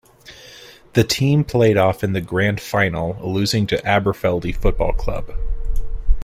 The team played off in the Grand Final, losing to Aberfeldie Football Club.